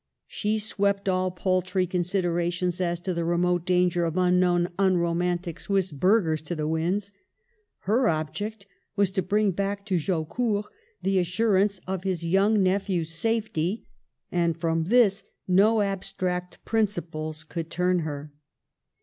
She swept all paltry considerations as to the remote danger of unknown, unromantic Swiss burghers to the winds. Her object was to bring back to Jaucourt the assurance of Ms young nephew's safety ; and from this no abstract prin ciples could turn her.